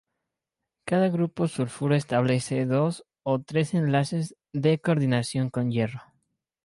Cada grupo sulfuro establece dos o tres enlaces de coordinación con hierro.